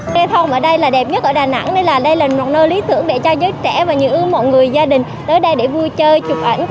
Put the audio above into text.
cây thông ở đây là đẹp nhất ở đà nẵng nên là đây là một nơi lý tưởng để cho giới trẻ và những mọi người gia đình tới đây để vui chơi chụp ảnh